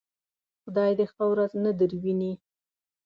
خدای دې ښه ورځ نه درويني.